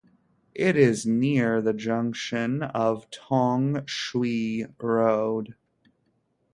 It is near the junction of Tong Shui Road.